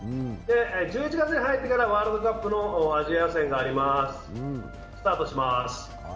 １１月に入ってからワールドカップのアジア予選がスタートします。